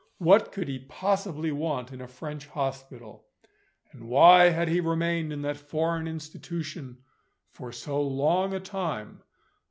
What could he possibly want in a French hospital? And why had he remained in that foreign institution for so long a time?